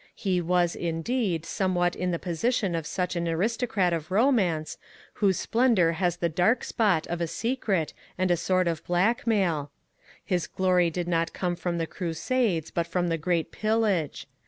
He was, indeed, somewhat in the position of such an aristocrat of romance, whose splendour has the dark spot of a secret and a sort of blackmail.... His glory did not come from the Crusades, but from the Great Pillage....